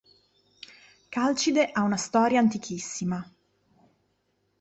Calcide ha una storia antichissima.